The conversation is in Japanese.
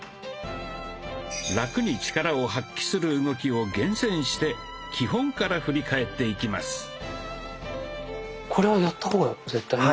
ラクに力を発揮する動きを厳選して基本から振り返っていきます。